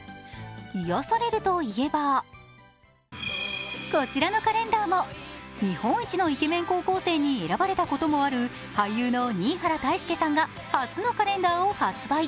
癒やされるといえばこちらのカレンダーも日本一のイケメン高校生に選ばれたこともある俳優の新原泰佑さんが初のカレンダーを発売。